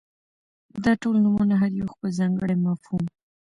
داټول نومونه هر يو خپل ځانګړى مفهوم ،